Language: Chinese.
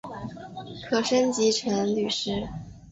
可升级成麟师。